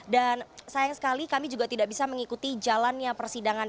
dan sayang sekali kami juga tidak bisa mengikuti jalannya persidangan